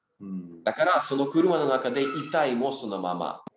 だからその車の中で遺体もそのまま。